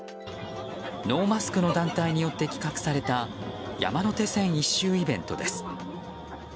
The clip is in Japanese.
ノーマスクの団体によって企画された山手線１周イベントです。